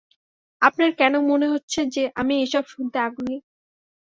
আপনার কেন মনে হচ্ছে যে আমি ওসব শুনতে আগ্রহী?